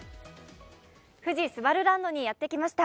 富士すばるランドにやってきました。